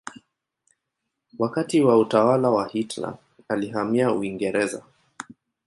Wakati wa utawala wa Hitler alihamia Uingereza.